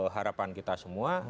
harapan kita semua